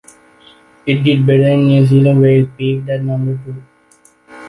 It did better in New Zealand, where it peaked at number two.